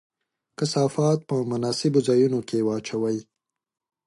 کثافات په مناسبو ځایونو کې واچوئ.